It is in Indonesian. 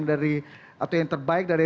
dari atau yang terbaik dari